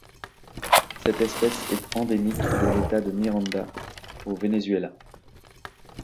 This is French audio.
Cette espèce est endémique de l'État de Miranda au Venezuela.